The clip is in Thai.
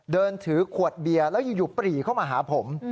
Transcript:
เดินถือขวดเบียร์แล้วอยู่ปรีเข้ามาหาผม